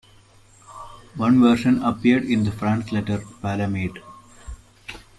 One version appeared in the France Letter "Palamede".